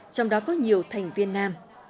trong đó có nhiều thành viên nam